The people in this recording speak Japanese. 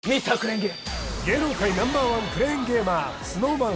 芸能界Ｎｏ．１クレーンゲーマーＳｎｏｗＭａｎ